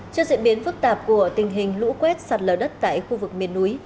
trước diễn biến phức tạp của tình hình lũ quét sạt lở đất tại khu vực miền núi